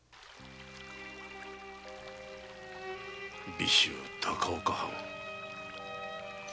備州高岡藩。